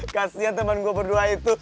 kasian teman gue berdua itu